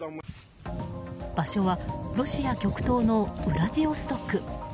場所はロシア極東のウラジオストク。